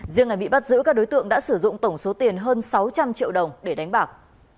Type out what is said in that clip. riêng ngày bị bắt giữ các đối tượng đã sử dụng tổng số tiền hơn sáu trăm linh triệu đồng để đánh bạc